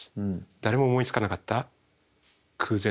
誰も思いつかなかった空前。